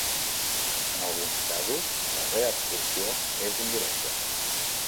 En alguns casos, la reabsorció és indirecta.